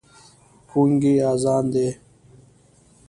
ګونګی اذان دی